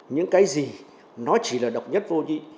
những cái gì nó chỉ là độc nhất vô nhị